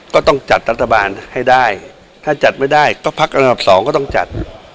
ก็ต้องจัดรัฐบาลให้ได้ถ้าจัดไม่ได้ก็พักอันดับสองก็ต้องจัด